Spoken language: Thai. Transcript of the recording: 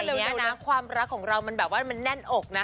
เร็วนี้นะความรักของเรามันแบบว่ามันแน่นอกนะ